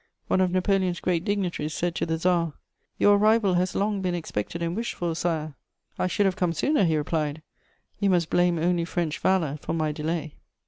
One of Napoleon's great dignitaries said to the Tsar: "Your arrival has long been expected and wished for, Sire." "I should have come sooner," he replied; "you must blame only French valour for my delay."